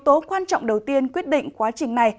và một số quan trọng đầu tiên quyết định quá trình này